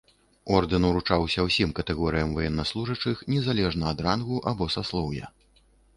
Ордэн уручаўся ўсім катэгорыям ваеннаслужачых незалежна ад рангу або саслоўя.